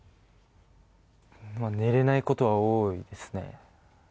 寝れないことは多いですね。